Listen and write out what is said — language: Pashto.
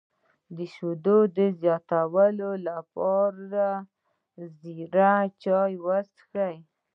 د شیدو د زیاتوالي لپاره د زیرې چای وڅښئ